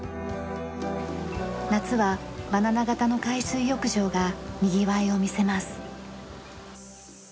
夏はバナナ形の海水浴場がにぎわいを見せます。